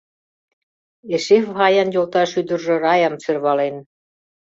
Эше Фаян йолташ ӱдыржӧ Раям сӧрвален: